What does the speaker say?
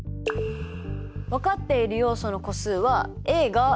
分かっている要素の個数はＡが６人。